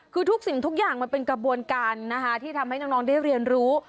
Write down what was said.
คือทุกสิ่งทุกอย่างมันเป็นกระบวนการนะคะที่ทำให้น้องได้เรียนรู้